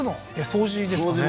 掃除ですかね